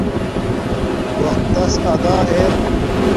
وقت تس ادا اِر